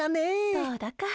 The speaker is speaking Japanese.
どうだか。